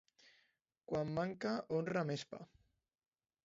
Quan manca honra més pa.